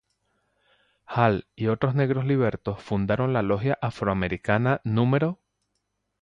Hall y otros negros libertos fundaron la logia afroamericana No.